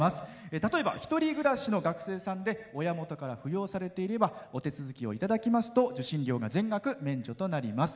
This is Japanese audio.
例えば、１人暮らしの学生さんで親元から扶養されていればお手続きをいただきますと受信料が全額免除になります。